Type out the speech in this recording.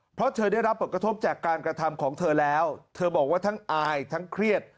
เพราะเธอได้รับผลกระทบจากการกระทำของเธอแล้วเธอบอกว่าทั้งอายทั้งเครียด